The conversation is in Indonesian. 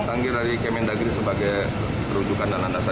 tanggir dari kementerian negeri sebagai perujukan dan andasan